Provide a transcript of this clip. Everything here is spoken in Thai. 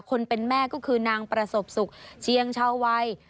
คนเป็นแม่ก็คือนางประสบสุขเชียงชาววัย